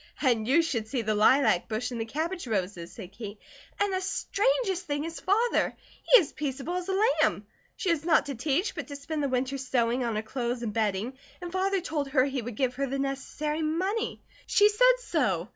"And you should see the lilac bush and the cabbage roses," said Kate. "And the strangest thing is Father. He is peaceable as a lamb. She is not to teach, but to spend the winter sewing on her clothes and bedding, and Father told her he would give her the necessary money. She said so.